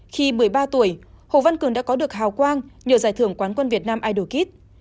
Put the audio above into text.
khi một mươi ba tuổi hồ văn cường đã có được hào quang nhờ giải thưởng quán quân việt nam idoq